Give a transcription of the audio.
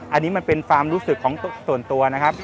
อันนี้มันเป็นความรู้สึกของส่วนตัวนะครับ